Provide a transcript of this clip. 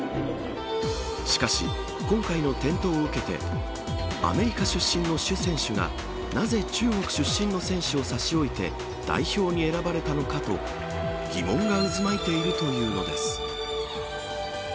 しかし、今回の転倒を受けてアメリカ出身のシュ選手がなぜ中国出身の選手をさしおいて代表に選ばれたのかと疑問が渦巻いているというのです。